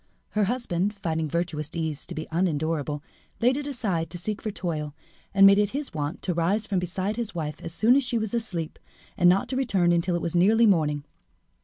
Her husband, finding virtuous ease to be unendurable, laid it aside to seek for toil, and made it his wont to rise from beside his wife as soon as she was asleep, and not to return until it was nearly morning.